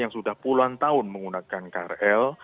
yang sudah puluhan tahun menggunakan krl